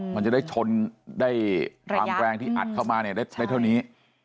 มันจะได้ชนได้ความแรงที่อัดเข้ามาเนี่ยได้เท่านี้